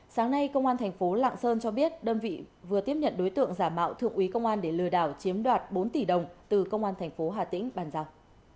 sáng nay công an thành phố lạng sơn cho biết đơn vị vừa tiếp nhận đối tượng giả mạo thượng úy công an để lừa đảo chiếm đoạt bốn tỷ đồng từ công an thành phố hà tĩnh bàn giao